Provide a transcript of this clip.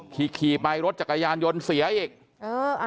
ขี่ขี่ไปรถจักรยานยนต์เสียอีกเออ